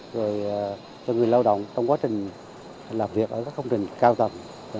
rồi cho người lao động trong quá trình làm việc ở các công trình cao tầng